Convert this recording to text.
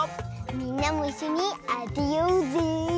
みんなもいっしょにあてようぜ。